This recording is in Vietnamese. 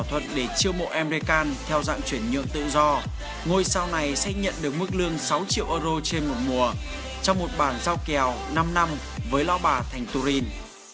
thỏa thuận để chiêu mộ em rekan theo dạng chuyển nhượng tự do ngôi sao này sẽ nhận được mức lương sáu triệu euro trên một mùa trong một bản giao kèo năm năm với lo bà thành turin